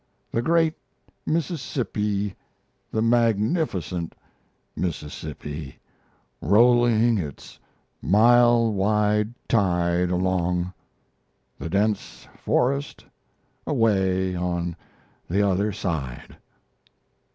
the great Mississippi, the magnificent Mississippi, rolling its mile wide tide along;... the dense forest away on the other side."